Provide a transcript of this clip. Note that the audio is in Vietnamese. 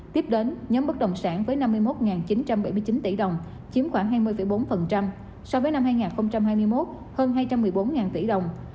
tiếp đến nhóm bất đồng sản với năm mươi một chín trăm bảy mươi chín tỷ đồng chiếm khoảng hai mươi bốn so với năm hai nghìn hai mươi một hơn hai trăm một mươi bốn tỷ đồng